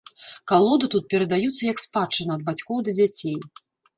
Калоды тут перадаюцца як спадчына ад бацькоў да дзяцей.